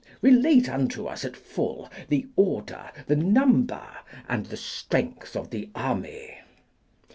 Relate unto us at full the order, the number, and the strength of the army.